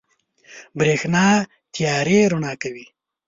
برېښنا تيارې رڼا کوي.